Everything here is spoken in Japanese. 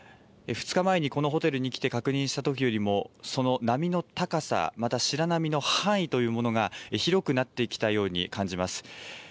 ２日前にこのホテルに来て確認したときよりもその波の高さ、また白波の範囲というものが広くなってきたように感じます。